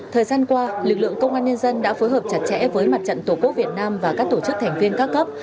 thời gian qua lực lượng công an nhân dân đã phối hợp chặt chẽ với mặt trận tổ quốc việt nam và các tổ chức thành viên các cấp